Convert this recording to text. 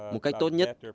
một cách tốt nhất